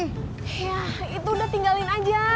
iya itu udah tinggalin aja